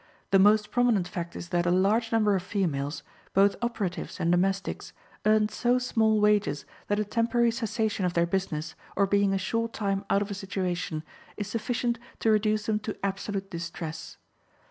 The most prominent fact is that a large number of females, both operatives and domestics, earn so small wages that a temporary cessation of their business, or being a short time out of a situation, is sufficient to reduce them to absolute distress.